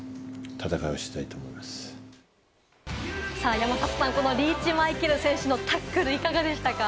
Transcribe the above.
山里さん、リーチ・マイケル選手のタックルいかがでしたか？